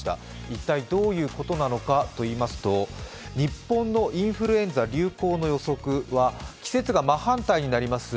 一体どういうことなのかといいますと、日本のインフルエンザ流行の予測は季節が真反対になります